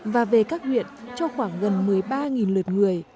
và về các huyện cho khoảng gần một mươi ba lượt người